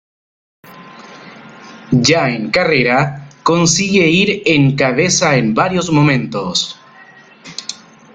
Ya en carrera, consigue ir en cabeza en varios momentos.